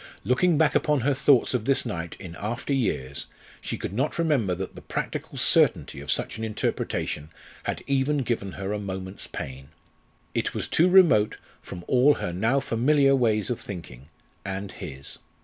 Looking back upon her thoughts of this night in after years, she could not remember that the practical certainty of such an interpretation had even given her a moment's pain. It was too remote from all her now familiar ways of thinking and his.